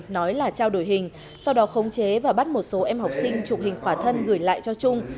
nói là trao đổi hình sau đó khống chế và bắt một số em học sinh chụp hình quả thân gửi lại cho trung